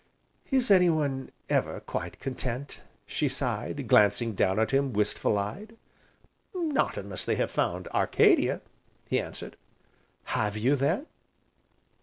"Is anyone ever quite content?" she sighed, glancing down at him, wistful eyed. "Not unless they have found Arcadia," he answered. "Have you then?"